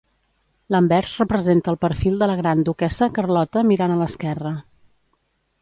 L'anvers representa el perfil de la Gran Duquessa Carlota mirant a l'esquerra.